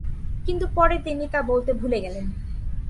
কিন্তু পরে তিনি তা বলতে ভুলে গেলেন।